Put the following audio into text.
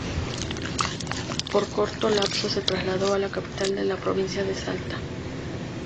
Por corto lapso se trasladó a la capital de la provincia de Salta.